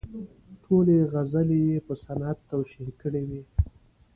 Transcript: ټولې غزلې یې په صنعت توشیح کې وې.